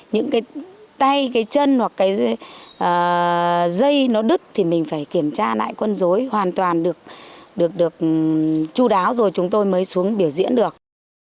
những cái tay cái chân hoặc cái dây nó đứt thì mình phải kiểm tra lại quân dối hoàn toàn được chú đáo rồi chúng tôi mới xuống biểu diễn được